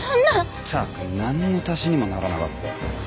ったくなんの足しにもならなかった。